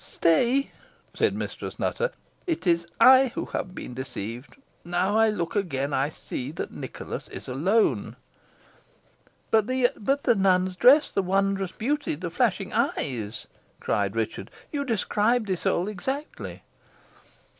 "Stay," said Mistress Nutter; "it is I who have been deceived. Now I look again, I see that Nicholas is alone." "But the nun's dress the wondrous beauty the flashing eyes!" cried Richard. "You described Isole exactly."